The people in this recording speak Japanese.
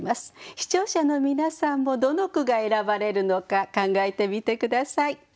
視聴者の皆さんもどの句が選ばれるのか考えてみて下さい。